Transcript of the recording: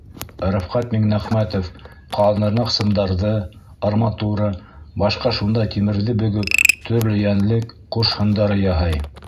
Рәфҡәт Миңнәхмәтов, ҡалыныраҡ сымдарҙы, арматура, башҡа шундай тимерҙе бөгөп, төрлө йәнлек, ҡош һындары яһай.